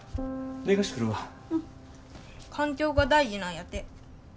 環境が大事なんやて。